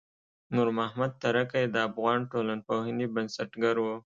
نورمحمد ترکی د افغان ټولنپوهنې بنسټګر و.